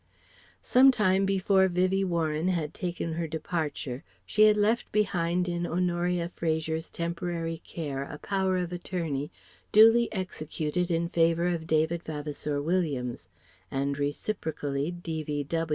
Some time before Vivie Warren had taken her departure, she had left behind in Honoria Fraser's temporary care a Power of Attorney duly executed in favour of David Vavasour Williams; and reciprocally D.V.